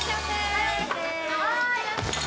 はい！